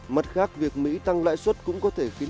mặt khác việc mỹ tăng lãi suất cũng có thể khiến